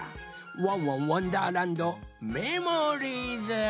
「ワンワンわんだーらんどメモリーズ」。